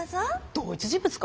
同一人物か？